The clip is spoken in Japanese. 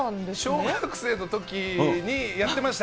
小学生のときにやってました。